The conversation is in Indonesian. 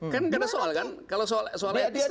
kan nggak ada soal kan kalau soal etis itu